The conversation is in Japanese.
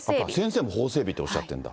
先生も法整備っておっしゃってるんだ。